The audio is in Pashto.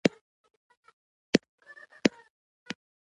هماغه څه استعمال کړه کوم څه چې لرئ.